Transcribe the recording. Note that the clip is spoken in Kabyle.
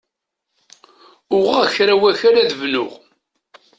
Uɣeɣ kra wakal ad bnuɣ.